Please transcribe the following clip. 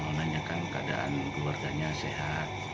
menanyakan keadaan keluarganya sehat